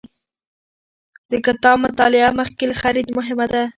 د کتاب مطالعه مخکې له خرید مهمه ده.